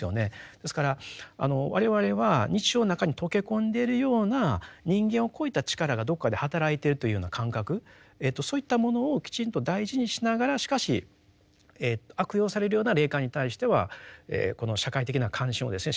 ですから我々は日常の中に溶け込んでいるような人間を超えた力がどこかで働いてるというような感覚そういったものをきちんと大事にしながらしかし悪用されるような霊感に対してはこの社会的な関心をですね